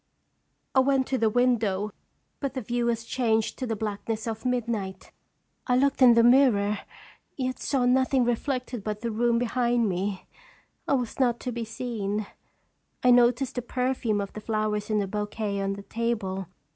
I went to the window, but the view was changed Strug Eetieler. 85 to the blackness of midnight. I looked in the mirror, yet saw nothing reflected but the room behind me. I was not to be seen. I noticed the perfume of the flowers in the "bouquet on the table.